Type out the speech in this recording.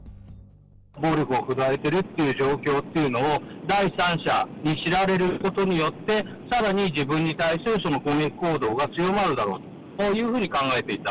暴力を振るわれているっていう状況っていうのを、第三者に知られることによって、さらに自分に対する攻撃行動が強まるだろうというふうに考えていた。